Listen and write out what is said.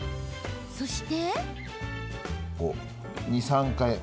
そして。